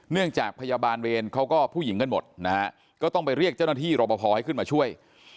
จากพยาบาลเวรเขาก็ผู้หญิงกันหมดนะฮะก็ต้องไปเรียกเจ้าหน้าที่รอปภให้ขึ้นมาช่วย